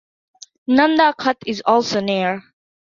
Nanda Khat is also near.